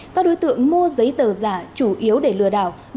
các đối tượng mua giấy tờ giả chủ yếu để lừa đảo